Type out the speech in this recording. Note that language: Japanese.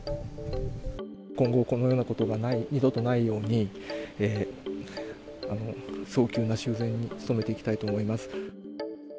今後このようなことが二度とないように、早急な修繕に努めていきたいと思います。